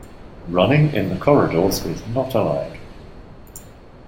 Running in the corridors is not allowed